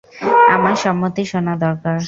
আমার সম্মতি শোনা দরকার।